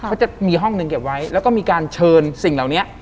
เขาจะมีห้องหนึ่งเก็บไว้แล้วก็มีการเชิญสิ่งเหล่านี้